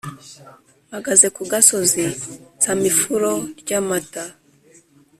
Mpagaze ku gasozi nsama ifuro ry'amata